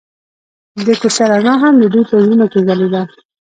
د کوڅه رڼا هم د دوی په زړونو کې ځلېده.